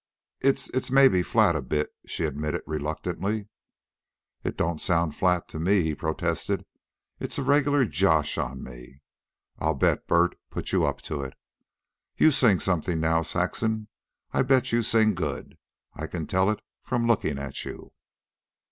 "It's... it's maybe flat a bit," she admitted reluctantly. "It don't sound flat to me," he protested. "It's a regular josh on me. I'll bet Bert put you up to it. You sing something now, Saxon. I bet you sing good. I can tell it from lookin' at you."